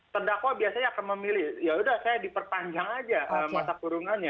terdakwa biasanya akan memilih yaudah saya diperpanjang aja masa kurungannya